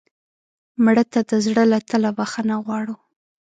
مړه ته د زړه له تله بښنه غواړو